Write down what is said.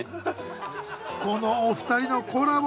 このお二人のコラボ